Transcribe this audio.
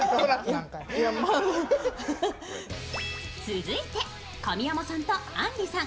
続いて神山さんとあんりさん